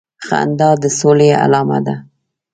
خندا د سولي علامه ده